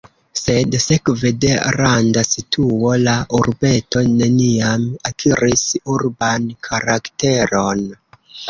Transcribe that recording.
Sed sekve de randa situo la urbeto neniam akiris urban karakteron.